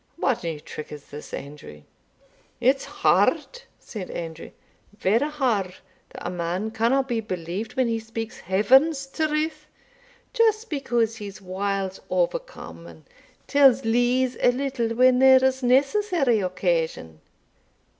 What new trick is this, Andrew?" "It's hard," said Andrew "very hard, that a man canna be believed when he speaks Heaven's truth, just because he's whiles owercome, and tells lees a little when there is necessary occasion.